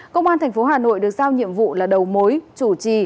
công an thành phố hà nội được giao nhiệm vụ là đầu mối chủ trì